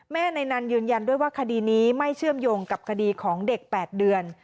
ในนั้นยืนยันด้วยว่าคดีนี้ไม่เชื่อมโยงกับคดีของเด็ก๘เดือน